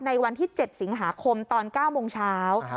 วันที่๗สิงหาคมตอน๙โมงเช้า